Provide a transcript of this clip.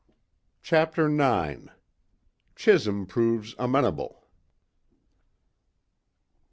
CHAPTER IX CHISHOLM PROVES AMENABLE.